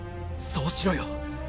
そうしろよ。